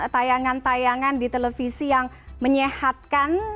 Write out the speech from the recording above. tayangan tayangan di televisi yang menyehatkan